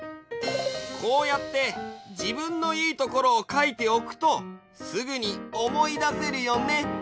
こうやってじぶんのいいところをかいておくとすぐにおもいだせるよね。